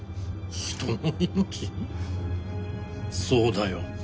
そうだよ